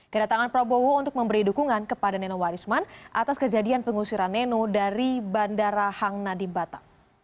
kedatangan prabowo untuk memberi dukungan kepada nenowarisman atas kejadian pengusiran neno dari bandara hang nadi batam